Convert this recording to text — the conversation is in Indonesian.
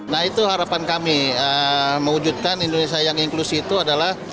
nah itu harapan kami mewujudkan indonesia yang inklusif itu adalah